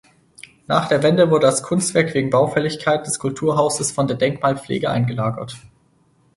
Nach der Wende wurde das Kunstwerk wegen Baufälligkeit des Kulturhauses von der Denkmalpflege eingelagert.